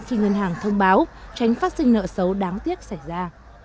khi ngân hàng thông báo tránh phát sinh nợ xấu đáng tiếc xảy ra